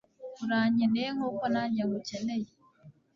urankeneye nkuko nanjye ngukeneye